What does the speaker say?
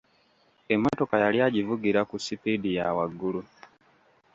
Emmotoka yali agivugira ku sipiidi ya waggulu.